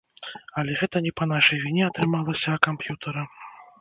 Але гэта не па нашай віне атрымалася, а камп'ютара.